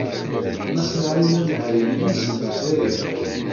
Massa Naɛima Mehayliya seg Lezzayer.